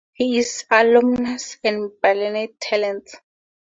He is an alumnus of Berlinale Talents.